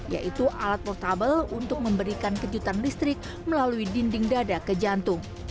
yaitu alat portable untuk memberikan kejutan listrik melalui dinding dada ke jantung